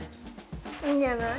いいんじゃない？